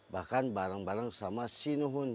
bahkan barang barang sama sinuhun